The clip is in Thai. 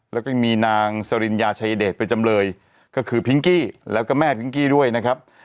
แล้วก็ยังมีนางสริญญาชายเดชเป็นจำเลยก็คือพิงกี้แล้วก็แม่พิงกี้ด้วยนะครับ